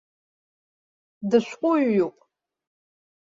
Дышәҟәыҩҩуп.